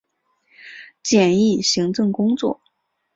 简易行政工作